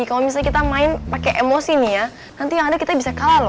kalau misalnya kita main pakai emosi nih ya nanti yang ada kita bisa kalah loh